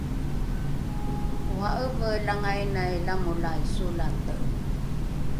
ora’eve langainai lamolai solate